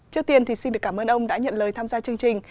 trước tiên thì xin được cảm ơn ông đã nhận lời tham gia chương trình